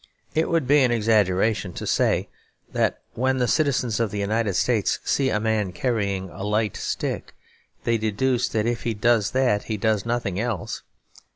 It would be an exaggeration to say that when the citizens of the United States see a man carrying a light stick, they deduce that if he does that he does nothing else.